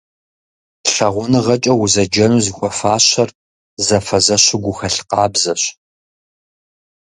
ЛъагъуныгъэкӀэ узэджэну зыхуэфащэр зэфэзэщу гухэлъ къабзэщ.